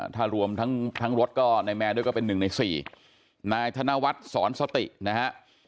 ถ้ารวมทั้งรถก็นายแมนด้วยก็เป็น๑ใน๔นายธนวัฒน์สอนสตินะฮะ